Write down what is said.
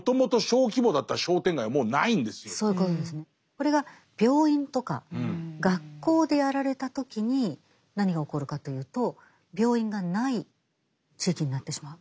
これが病院とか学校でやられた時に何が起こるかというと病院がない地域になってしまう。